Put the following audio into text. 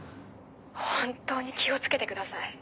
本当に気を付けてください。